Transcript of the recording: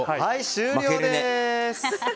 終了です。